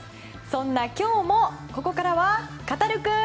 そんな今日もここからはカタルくん！